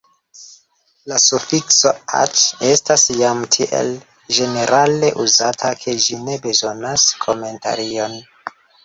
La sufikso _aĉ_ estas jam tiel ĝenerale uzata, ke ĝi ne bezonas komentarion.